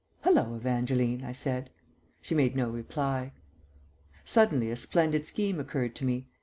"Hallo, Evangeline," I said. She made no reply. Suddenly a splendid scheme occurred to me.